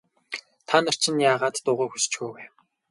Та нар чинь яагаад дуугүй хөшчихөө вэ?